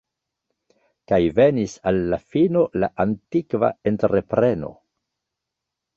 Kaj venis al la fino la antikva entrepreno.